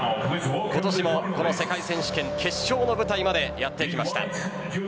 今年もこの世界選手権決勝の舞台までやってきました。